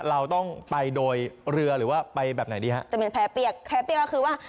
เราต้องไปโดยเรือหรือว่าไปแบบไหนดีฮะจะเป็นแผลเปียกแพ้เปียกก็คือว่า